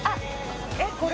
えっこれ？